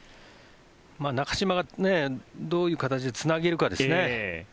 中島がどういう形でつなげるかですね。